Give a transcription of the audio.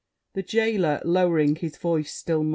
THE JAILER (lowering his voice still more).